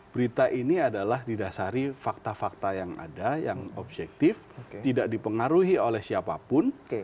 berita ini adalah didasari fakta fakta yang ada yang objektif tidak dipengaruhi oleh siapapun